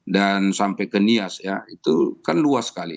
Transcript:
sampai ke nias ya itu kan luas sekali